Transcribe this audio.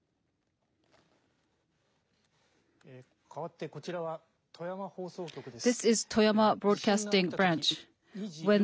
かわってこちらは、富山放送局です。